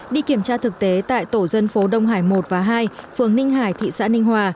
đi kiểm tra thực tế tại tổ dân phố đông hải một và hai phường ninh hải thị xã ninh hòa